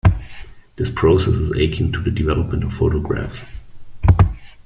This process is akin to the development of photographs.